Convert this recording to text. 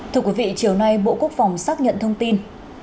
thưa quý vị chiều nay bộ quốc phòng xác nhận thông tin